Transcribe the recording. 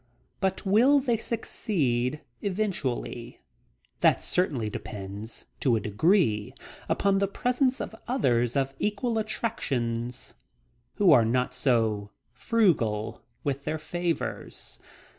But will they succeed eventually? That certainly depends to a degree upon the presence of others of equal attractions who are not so frugal with their favors.